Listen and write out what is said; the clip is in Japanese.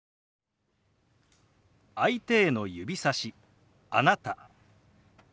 相手への指さし「あなた」。